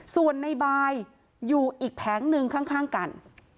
ส่วนในบายอยู่อีกแผงหนึ่งข้างกัน